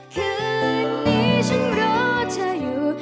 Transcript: คืนนี้ฉันรอเธออยู่